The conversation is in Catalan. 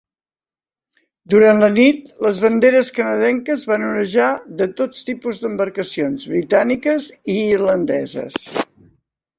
Durant la nit, les banderes canadenques van onejar de tots tipus d'embarcacions britàniques i irlandeses.